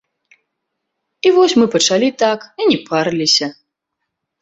І вось мы пачалі так, і не парыліся.